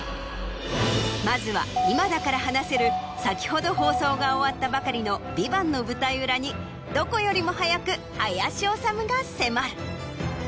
まずは今だから話せる先ほど放送が終わったばかりの『ＶＩＶＡＮＴ』の舞台裏にどこよりも早く林修が迫る。